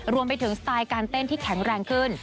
รวมไปถึงสไตล์การเต้นที่แข็งแรงขึ้น